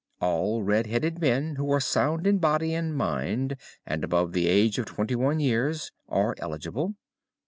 All red headed men who are sound in body and mind and above the age of twenty one years, are eligible.